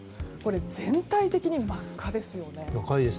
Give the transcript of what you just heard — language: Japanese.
全体的に真っ赤ですよね。